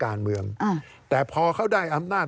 การเลือกตั้งครั้งนี้แน่